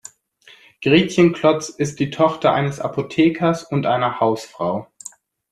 Gretchen Klotz ist die Tochter eines Apothekers und einer Hausfrau.